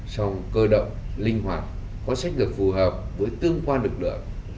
song cơ động linh hoạt có sách lượng phù hợp với tương quan lực lượng